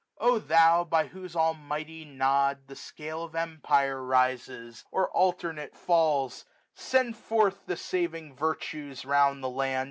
1600 O Thou ! by whose almighty Nod the scale Of empire rises, or alternate falls ; Send forth the saving Virtues round the land.